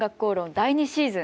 第２シーズン